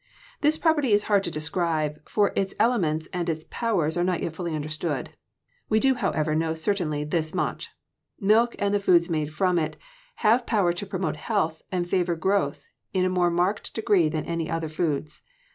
This property is hard to describe, for its elements and its powers are not yet fully understood. We do, however, know certainly this much: milk and the foods made from it have power to promote health and favor growth in a more marked degree than any other foods.